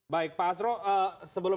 baik pak asro sebelum